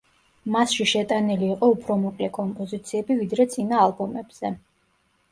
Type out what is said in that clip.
მასში შეტანილი იყო უფრო მოკლე კომპოზიციები, ვიდრე წინა ალბომებზე.